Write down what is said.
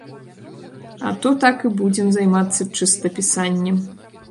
А то так і будзем займацца чыста пісаннем.